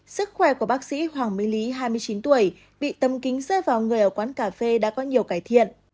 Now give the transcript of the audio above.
sức khỏe của bác sĩ hoàng mỹ lý hai mươi chín tuổi bị tấm kính rơi vào người ở quán cà phê đã có nhiều cải thiện